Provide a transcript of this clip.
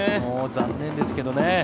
残念ですけどね。